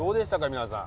皆さん。